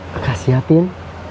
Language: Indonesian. makasih ya pin